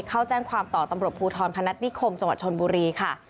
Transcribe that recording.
เข้าแจ้งความต่อตำรวจภูทรพนัฐนิคมจังหวัดชนบุรีค่ะ